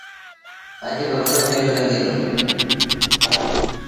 اَڄ با وڏو ميلو لڳي دو۔